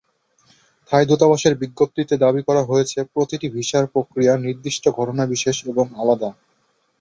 থাই দূতাবাসের বিজ্ঞপ্তিতে দাবি করা হয়েছে, প্রতিটি ভিসার প্রক্রিয়া নির্দিষ্ট ঘটনাবিশেষ এবং আলাদা।